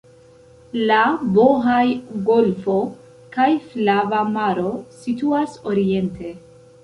La Bohaj-golfo kaj Flava Maro situas oriente.